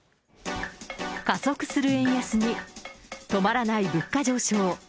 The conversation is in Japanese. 加速する円安に、止まらない物価上昇。